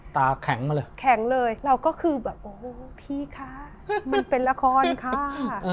ตาแข็งมาเลยแข็งเลยเราก็คือแบบโอ้โหพี่คะมันเป็นละครค่ะ